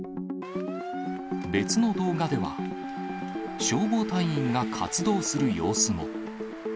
別の動画では、消防隊員が活動する様子も。